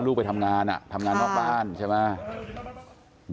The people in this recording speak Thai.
ไปทำงานทำงานนอกบ้านใช่ไหม